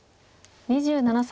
２７歳。